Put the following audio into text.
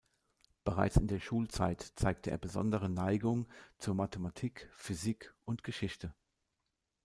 Bereits in der Schulzeit zeigte er besondere Neigungen zur Mathematik, Physik und Geschichte.